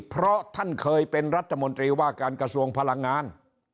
เพราะท่านเคยเป็นรัฐมนตรีว่าการกระทรวงพลังงาน